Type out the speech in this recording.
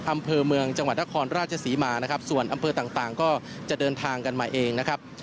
อำเภอเมืองจังหวัดนครราชศรีมานะครับส่วนอำเภอต่างก็จะเดินทางกันมาเองนะครับ